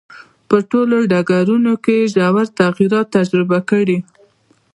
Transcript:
په ټولو ډګرونو کې یې ژور تغییرات تجربه کړي.